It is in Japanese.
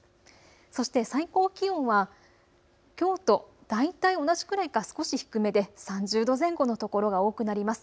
そして最高気温はきょうと大体同じくらいか少し低めで３０度前後の所が多くなります。